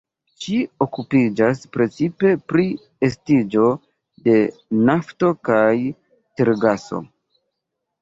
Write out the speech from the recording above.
Ŝi okupiĝas precipe pri estiĝo de nafto kaj tergaso.